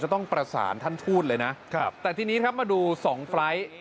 ต้องประสานท่านทูตเลยนะครับแต่ทีนี้ครับมาดูสองไฟล์ท